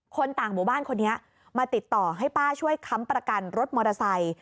คนต่างหมู่บ้านคนนี้มาติดต่อให้ป้าช่วยค้ำประกันรถมอเตอร์ไซค์